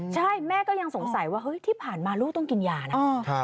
ใช่แม่ก็ยังสงสัยว่าเฮ้ยที่ผ่านมาลูกต้องกินยานะ